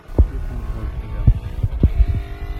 Dir kann geholfen werden.